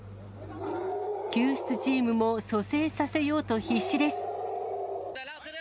救出チームも蘇生させようと必死です。